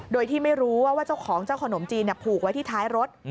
โดยที่ไม่รู้ว่าเจ้าของเจ้าขนมจีนผูกไว้ที่ท้ายรถ